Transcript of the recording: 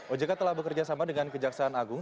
ojk telah bekerjasama dengan kejaksaan agung